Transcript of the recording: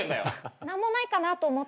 何もないかなと思って。